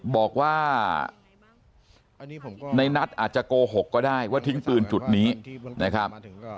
บอกว่าในนัทอาจจะโกหกก็ได้ว่าทิ้งปืนจุดนี้นะครับ